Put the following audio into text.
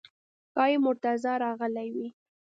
ښایي مرتضی راغلی وي.